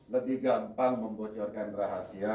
lebih gampang membocorkan rahasia